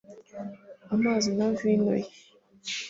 amazi na vino ye